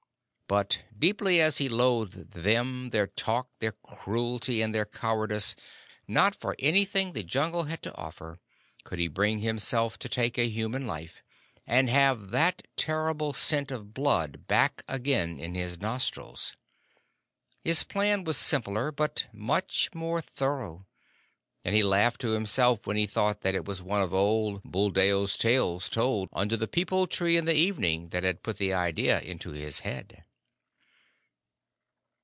But deeply as he loathed them, their talk, their cruelty, and their cowardice, not for anything the Jungle had to offer could he bring himself to take a human life, and have that terrible scent of blood back again in his nostrils. His plan was simpler but much more thorough; and he laughed to himself when he thought that it was one of old Buldeo's tales told under the peepul tree in the evening that had put the idea into his head.